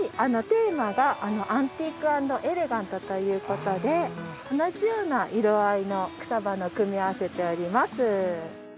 テーマが「アンティーク＆エレガント」ということで同じような色合いの草花を組み合わせております。